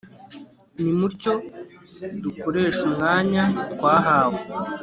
nimutyo dukoreshumwanya twahawe